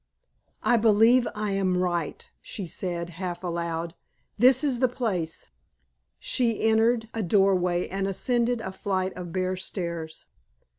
"I believe I am right," she said, half aloud. "This is the place." She entered a doorway and ascended a flight of bare stairs.